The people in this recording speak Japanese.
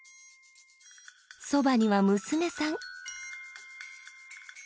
そばには娘さん。